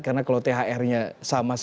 karena kalau thr nya sama saja